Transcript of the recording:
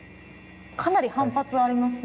かなり反発がありますね。